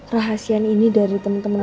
rahasian ini dari temen temen